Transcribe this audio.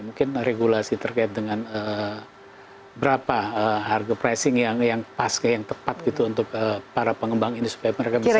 mungkin regulasi terkait dengan berapa harga pricing yang pas yang tepat gitu untuk para pengembang ini supaya mereka bisa